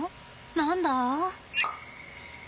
何だ？